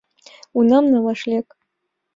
Унам налаш лек!